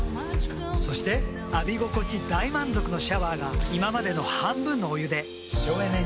そして浴び心地大満足のシャワーが今までの半分のお湯で省エネに。